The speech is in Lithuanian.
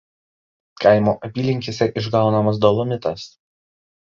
Kaimo apylinkėse išgaunamas dolomitas.